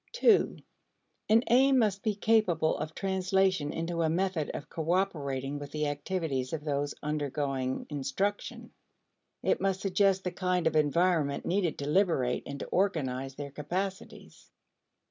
(2) An aim must be capable of translation into a method of cooperating with the activities of those undergoing instruction. It must suggest the kind of environment needed to liberate and to organize their capacities.